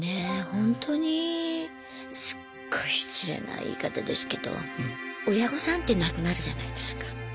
ほんとにすっごい失礼な言い方ですけど親御さんって亡くなるじゃないですか。